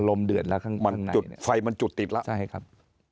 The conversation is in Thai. อารมณ์เดือดแล้วข้างในไฟมันจุดติดแล้ว